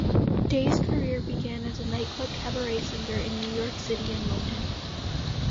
Day's career began as a nightclub cabaret singer in New York City and London.